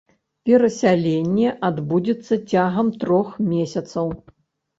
Перасяленне адбудзецца цягам трох месяцаў.